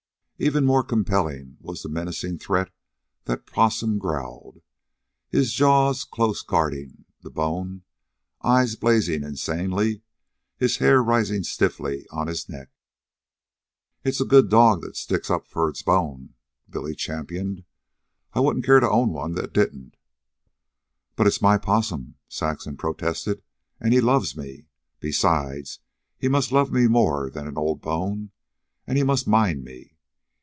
Even more compelling was the menacing threat that Possum growled, his jaws close guarding the bone, eyes blazing insanely, the hair rising stiffly on his neck. "It's a good dog that sticks up for its bone," Billy championed. "I wouldn't care to own one that didn't." "But it's my Possum," Saxon protested. "And he loves me. Besides, he must love me more than an old bone. And he must mind me.